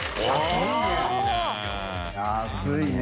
安いね。